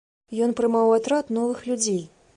Ён прымаў у атрад новых людзей.